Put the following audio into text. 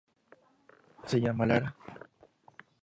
Se llama Lara.